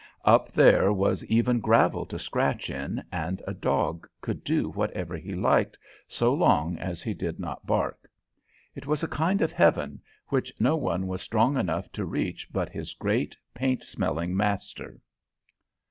Up there was even gravel to scratch in, and a dog could do whatever he liked, so long as he did not bark. It was a kind of Heaven, which no one was strong enough to reach but his great, paint smelling master.